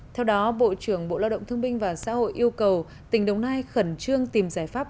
theo đó bộ trưởng bộ lao động thương binh và xã hội yêu cầu tỉnh đồng nai khẩn trương tìm giải pháp